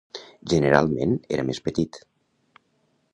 Generalment era més petit.